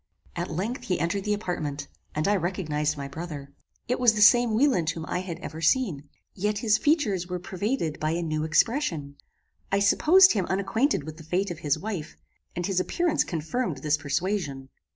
At length he entered the apartment, and I recognized my brother. It was the same Wieland whom I had ever seen. Yet his features were pervaded by a new expression. I supposed him unacquainted with the fate of his wife, and his appearance confirmed this persuasion.